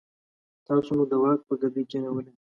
تاسو مو د واک په ګدۍ کېنولئ.